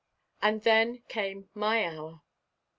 And then came my hour.